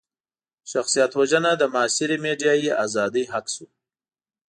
شخصيت وژنه د معاصرې ميډيايي ازادۍ حق شو.